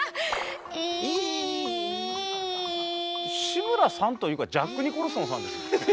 志村さんというかジャック・ニコルソンさんですよね。